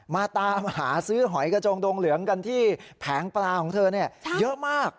มาตามหาซื้อหอยกระจงดงเหลืองกันที่แผงปลาของเธอเยอะมาก